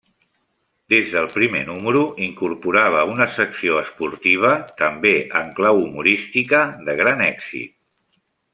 Des del primer número incorporava una secció esportiva, també en clau humorística, de gran èxit.